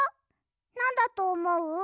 なんだとおもう？